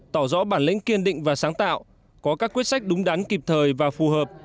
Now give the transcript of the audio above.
tỏ rõ bản lĩnh kiên định và sáng tạo có các quyết sách đúng đắn kịp thời và phù hợp